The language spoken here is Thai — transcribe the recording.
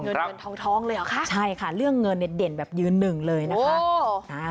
เงินเงินทองท้องเลยเหรอคะใช่ค่ะเรื่องเงินเนี่ยเด่นแบบยืนหนึ่งเลยนะคะ